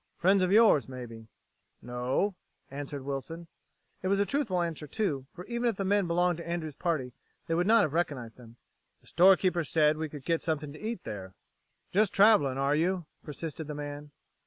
"Friends of yours, maybe?" "No," answered Wilson. It was a truthful answer, too, for even if the men belonged to Andrews' party, they would not have recognized them. "The storekeeper said we could get something to eat there." "Just traveling, are you!" persisted the man.